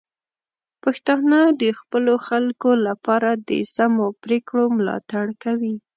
پښتانه د خپلو خلکو لپاره د سمو پریکړو ملاتړ کوي.